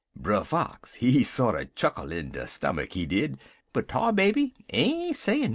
"Brer Fox, he sorter chuckle in his stummick, he did, but Tar Baby ain't sayin' nothin'.